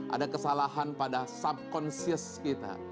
ada kesalahan pada subconsious kita